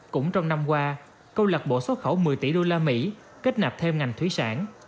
cũng trong năm qua câu lạc bộ xuất khẩu một mươi tỷ usd kết nạp thêm ngành thủy sản